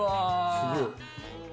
すげえ。